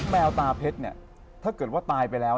แมวตาเพชรเนี่ยถ้าเกิดว่าตายไปแล้ว